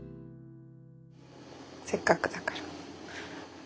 せっかくだから。